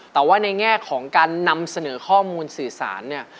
แต่ว่าในแง่ของการนำเสนอข้อมูลสื่อสารเนี่ย